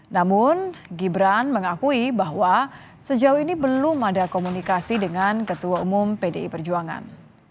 namun gibran mengakui bahwa sejauh ini belum ada komunikasi dengan ketua umum pdi perjuangan